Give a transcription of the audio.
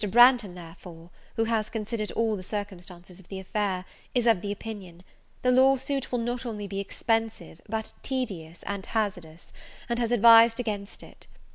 Branghton, therefore, who has considered all the circumstances of the affair, is of the opinion; the lawsuit will not only be expensive, but tedious and hazardous, and has advised against it.